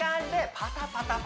パタパタ